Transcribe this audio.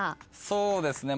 そうですね